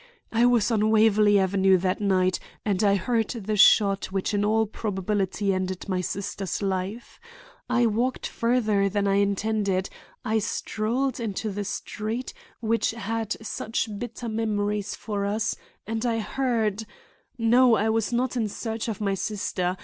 I was on Waverley Avenue that night, and I heard the shot which in all probability ended my sister's life. I walked farther than I intended; I strolled into the street which had such bitter memories for us and I heard—No, I was not in search of my sister.